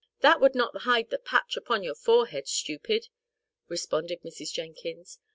"That would not hide the patch upon your forehead, stupid!" responded Mrs. Jenkins.